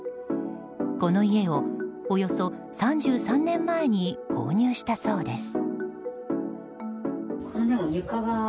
この家をおよそ３３年前に購入したそうです。